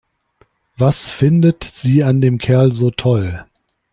Was findet sie an dem Kerl so toll?